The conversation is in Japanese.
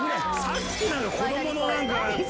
さっき子供の何か。